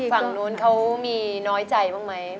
ฝั่งนู้นเขามีน้อยใจบ้างไหม